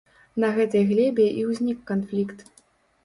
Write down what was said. На гэтай глебе і ўзнік канфлікт.